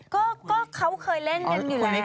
ก็เขาเคยเล่นกันอยู่แล้ว